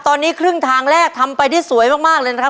ตอนนี้ครึ่งทางแรกทำไปได้สวยมากเลยนะครับ